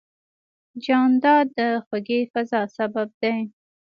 جانداد د خوږې فضا سبب دی.